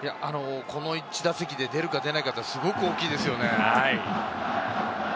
この１打席で出るか出ないか、すごく大きいですね。